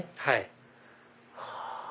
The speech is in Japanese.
はい。